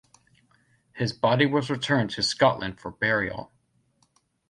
His body was returned to Scotland for burial.